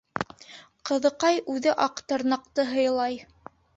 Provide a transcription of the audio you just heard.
Ҡыҙыҡай үҙе Аҡтырнаҡты һыйлай.